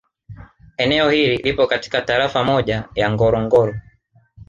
Eneo hili lipo katika Tarafa moja ya Ngorongoro